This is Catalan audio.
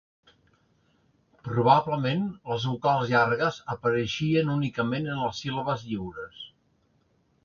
Probablement, les vocals llargues apareixien únicament en les síl·labes lliures.